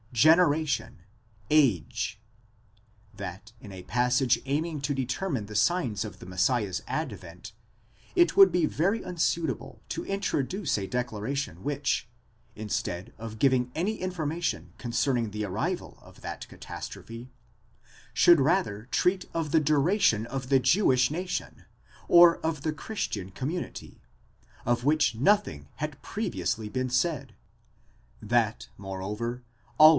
generation, age; that in a passage aiming to determine the signs of the Messiah's advent, it would be very unsuitable to introduce a declaration which, instead of giving any information concerning the arrival of that catastrophe, should rather treat of the duration of the Jewish nation, or of the Christian community, of which nothing had previously been said; that, moreover, already at v.